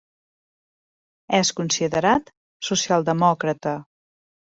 És considerat socialdemòcrata.